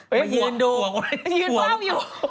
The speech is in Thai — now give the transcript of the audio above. มายืนดูเหล่าอยู่